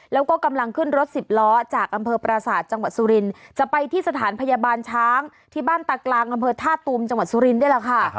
แล้วก็กำลังขึ้นรถสิบล้อจากอำเภอปราศาสตร์จังหวัดสุรินทร์จะไปที่สถานพยาบาลช้างที่บ้านตากลางอำเภอท่าตูมจังหวัดสุรินทร์นี่แหละค่ะ